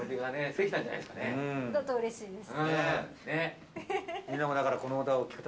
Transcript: だとうれしいです。